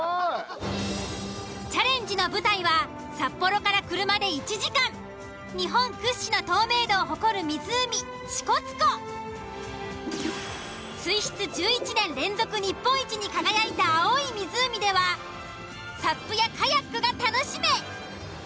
チャレンジの舞台は札幌から車で１時間日本屈指の透明度を誇る湖支笏湖。に輝いた青い湖ではサップやカヤックが楽しめ。